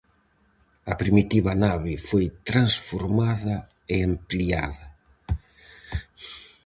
A primitiva nave foi transformada e ampliada.